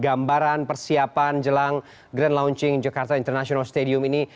gambaran persiapan jelang grandlaunching jakarta international stadium ini